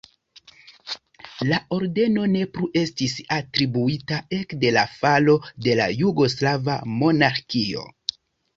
La ordeno ne plu estis atribuita ekde la falo de la jugoslava monarkio.